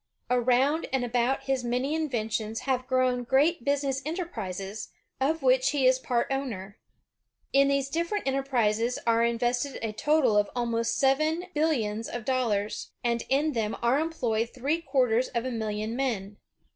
Around and about his many inventions have grown great business enter prises, of which he is part owner. In these different enterprises are invested a total of almost seven billions of dollars, and in them are employed three quarters of a million men.